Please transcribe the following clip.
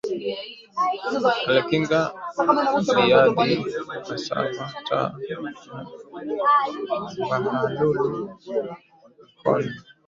Alikanga dhiyadhi akavasa taa a kibahalulu mekoni